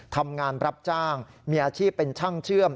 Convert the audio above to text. ทำงานรับจ้างมีอาชีพเป็นช่างเชื่อม